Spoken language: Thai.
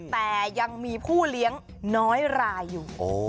แต่ยังมีผู้เลี้ยงน้อยรายอยู่